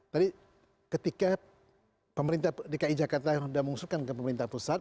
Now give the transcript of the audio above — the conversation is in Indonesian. tadi ketika dki jakarta udah mengusulkan ke pemerintah pusat